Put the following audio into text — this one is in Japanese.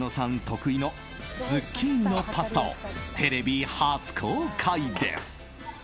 得意のズッキーニのパスタをテレビ初公開です。